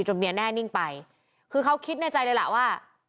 เมียแน่นิ่งไปคือเขาคิดในใจเลยล่ะว่า